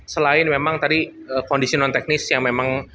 selain memang tadi kondisi non teknis yang memang